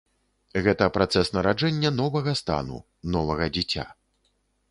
Гэта працэс нараджэння новага стану, новага дзіця.